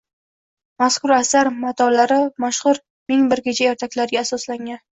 Mazkur asar matolari mashhur ming bir kecha ertaklariga asoslangan.